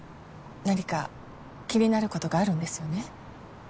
何か気になることがあるんですよね？